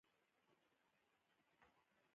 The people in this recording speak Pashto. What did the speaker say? نجلۍ د وړتیاوو سمبول ده.